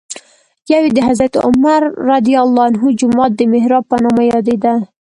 یو یې د حضرت عمر جومات د محراب په نامه یادېده.